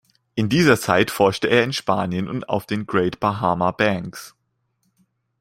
In dieser Zeit forschte er in Spanien und auf den Great Bahama Banks.